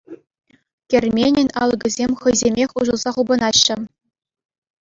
Керменӗн алӑкӗсем хӑйсемех уҫӑлса хупӑнаҫҫӗ.